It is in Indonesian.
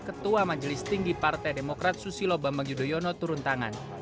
ketua majelis tinggi partai demokrat susilo bambang yudhoyono turun tangan